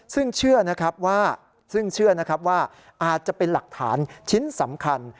ซึ่งเชื่อนะครับว่าอาจจะเป็นหลักฐานชิ้นสำคัญ